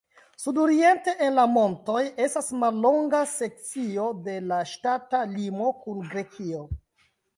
Sudoriente en la montoj estas mallonga sekcio de la ŝtata limo kun Grekio.